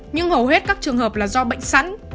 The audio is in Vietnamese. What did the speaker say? nhưng hầu hết các trường hợp là do bệnh sẵn